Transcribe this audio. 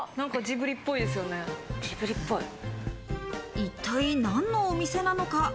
一体何のお店なのか？